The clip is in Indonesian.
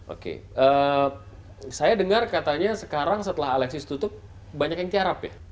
oke saya dengar katanya sekarang setelah alexis tutup banyak yang tiarap ya